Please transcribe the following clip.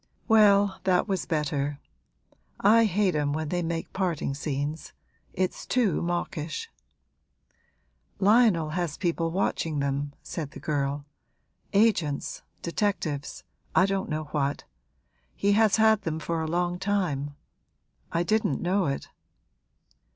'Well, that was better. I hate 'em when they make parting scenes: it's too mawkish!' 'Lionel has people watching them,' said the girl; 'agents, detectives, I don't know what. He has had them for a long time; I didn't know it.'